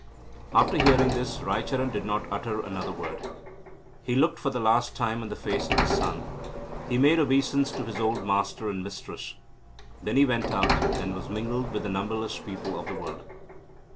After hearing this, Raicharan did not utter another word. He looked for the last time on the face of his son; he made obeisance to his old master and mistress. Then he went out, and was mingled with the numberless people of the world.